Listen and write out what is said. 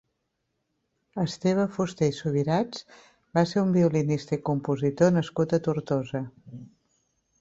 Esteve Fusté i Subirats va ser un violinista i compositor nascut a Tortosa.